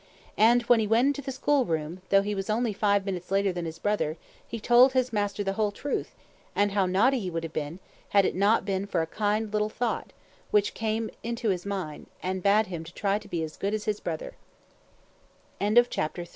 And when he went into the school room, though he was only five minutes later than his brother, he told his master the whole truth, and how naughty he would have been, had it not been for a kind little thought, which came into his mind, and bade him try to be as good as his brothe